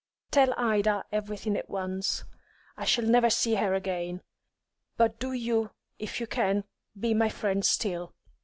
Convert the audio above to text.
Tell Ida everything at once; I shall never see her again. But do you, if you can, be my friend still.